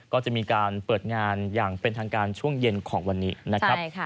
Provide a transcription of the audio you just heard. ก็จะมีการเปิดงานอย่างเป็นทางการช่วงเย็นของวันนี้นะครับ